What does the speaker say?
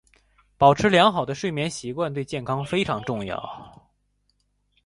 保持良好的睡眠习惯对健康非常重要。